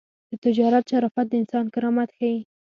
د تجارت شرافت د انسان کرامت ښيي.